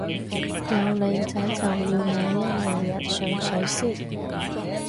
有靚仔就要嗌一嗌人上水先